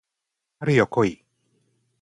春よ来い